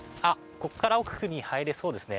ここから奥に入れそうですね。